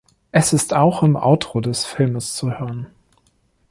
Es ist auch im Outro des Filmes zu hören.